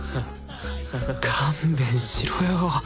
勘弁しろよ。